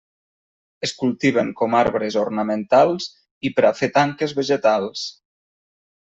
Es cultiven com arbres ornamentals i per a fer tanques vegetals.